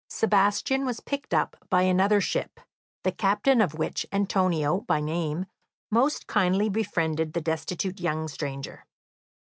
Sebastian was picked up by another ship, the captain of which, Antonio by name, most kindly befriended the destitute young stranger.